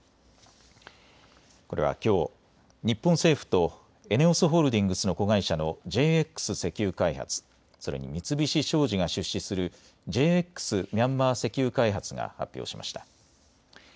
これはきょう、日本政府とＥＮＥＯＳホールディングスの子会社のＪＸ石油開発、それに三菱商事が出資するＪＸミャンマー石油開発が発表しました。